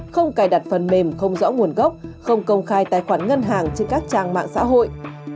không cài đặt phần mềm không rõ nguồn gốc không công khai tài khoản ngân hàng trên các trang mạng xã hội